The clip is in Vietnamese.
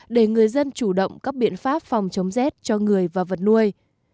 để người dân chủ động các biện pháp phòng chống rét cho người và vật nuôi